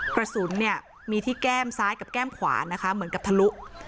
กระสุนเนี่ยมีที่แก้มซ้ายกับแก้มขวานะคะเหมือนกับทะลุ